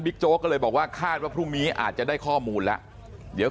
โจ๊กก็เลยบอกว่าคาดว่าพรุ่งนี้อาจจะได้ข้อมูลแล้วเดี๋ยว